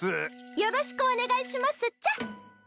よろしくお願いしますっちゃ。